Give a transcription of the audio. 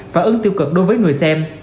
và ứng tiêu cực đối với người xem